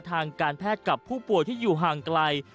ทางการแพทย์กับผู้ป่วยที่อยู่ห่างไกล